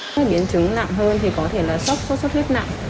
cái biến chứng nặng hơn thì có thể là sốt xuất huyết nặng